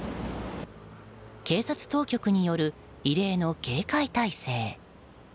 警察当局による異例の警戒態勢。